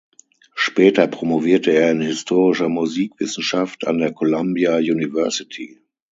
Später promovierte er in historischer Musikwissenschaft an der Columbia University.